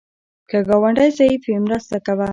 که ګاونډی ضعیف وي، مرسته کوه